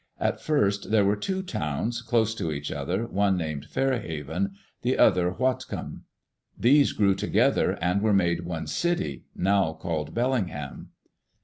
At first there were two towns, close to each other, one named Fairhaven, the other Whatcom. These grew together and were made one city, now called Bellingham.